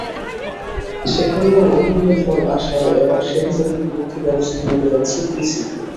সেখানেও অভিন্ন ফল আসায় এবার শেহজাদের বিরুদ্ধে ব্যবস্থা নিতে যাচ্ছে পিসিবি।